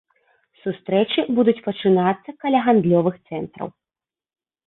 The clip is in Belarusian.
Сустрэчы будуць пачынацца каля гандлёвых цэнтраў.